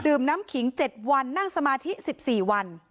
น้ำขิง๗วันนั่งสมาธิ๑๔วัน